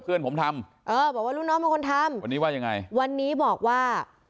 เพื่อนผมทำเออบอกว่าลูกน้องเป็นคนทำวันนี้ว่ายังไงวันนี้บอกว่า